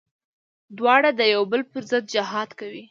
دواړه د يو بل پر ضد جهاد کوي.